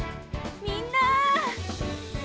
みんなー！